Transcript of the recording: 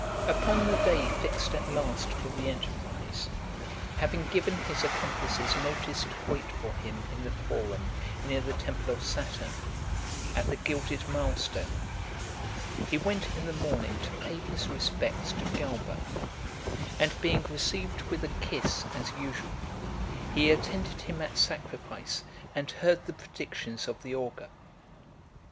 Upon the day fixed at last for the enterprise, having given his accomplices notice to wait for him in the Forum near the temple of Saturn, at the gilded mile stone , he went in the morning to pay his respects to Galba; and being received with a kiss as usual, he attended him at sacrifice, and heard the predictions of the augur .